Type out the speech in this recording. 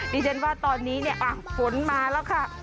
ดิฉันว่าตอนนี้เนี่ยฝนมาแล้วค่ะ